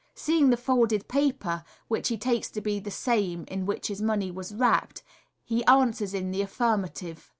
Seeing the folded paper, which he takes to be the same in which his money was wrapped, he answers in the affirmative.